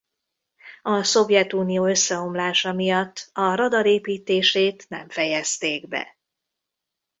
A Szovjetunió összeomlása miatt a radar építését nem fejezték be.